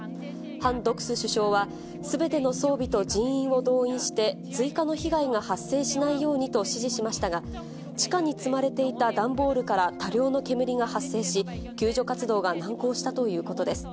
ハン・ドクス首相は、すべての装備と人員を動員して、追加の被害が発生しないようにと指示しましたが、地下に積まれていた段ボールから多量の煙が発生し、救助活動が難航したということです。